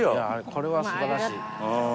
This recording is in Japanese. これは素晴らしい。